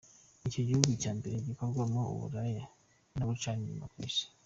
Nicyo gihugu cya mbere gikorwamo uburaya no gucana inyuma ku Isi.